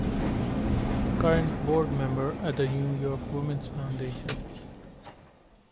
Current board member at The New York Women's Foundation.